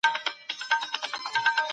طبيعي علوم مادي پديدې مطالعه کوي.